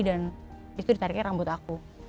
dan itu ditariknya rambut aku